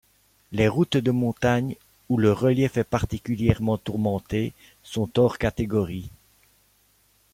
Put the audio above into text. Les routes de montagne, où le relief est particulièrement tourmenté sont hors catégories.